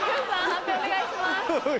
判定お願いします。